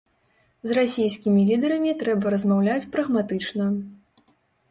З расійскімі лідарамі трэба размаўляць прагматычна.